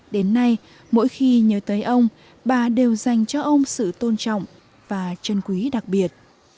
đến nay mỗi khi nhớ tới ông bà đều dành cho ông sự tôn trọng và chân quý đặc biệt